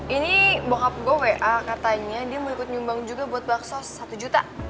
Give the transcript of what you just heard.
ini barkup gue wa katanya dia mau ikut nyumbang juga buat baksos satu juta